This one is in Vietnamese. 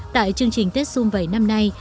tại chương trình tết xung vầy năm nay